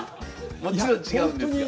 もちろん違うんですが。